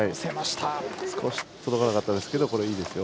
少し届かなかったですけどいいですよ。